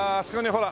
ほら。